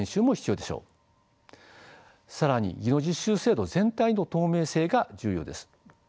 更に技能実習制度全体の透明性が重要です。